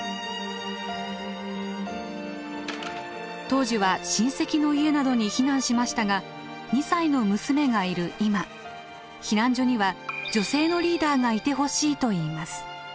当時は親戚の家などに避難しましたが２歳の娘がいる今避難所には女性のリーダーがいてほしいといいます。